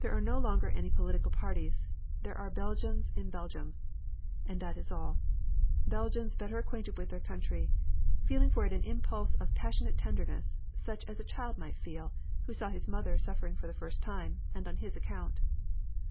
There are no longer any political parties, there are Belgians in Belgium, and that is all; Belgians better acquainted with their country, feeling for it an impulse of passionate tenderness such as a child might feel who saw his mother suffering for the first time, and on his account.